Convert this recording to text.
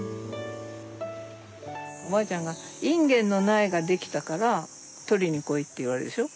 おばあちゃんが「インゲンの苗ができたから取りに来い」って言われるでしょ。